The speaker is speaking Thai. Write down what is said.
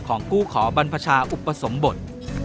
ของผู้ขอบรรพชาอุปสมบท